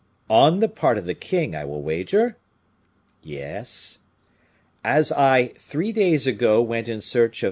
"On the part of the king, I will wager?" "Yes." "As I, three days ago, went in search of M.